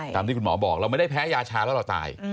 ที่คุณหมอบอกเราไม่ได้แพ้ยาชาแล้วเราตาย